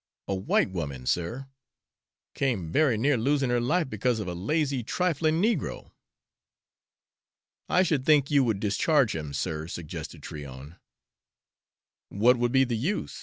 A white woman, sir, came very near losing her life because of a lazy, trifling negro!" "I should think you would discharge him, sir," suggested Tryon. "What would be the use?"